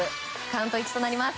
カウント１となります。